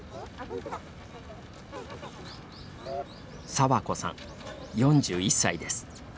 佐和子さん、４１歳です。